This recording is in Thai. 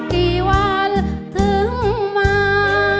สักกี่วันถึงมา